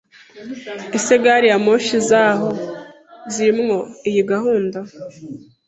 Ese gari ya moshi zaho zirimo iyi gahunda?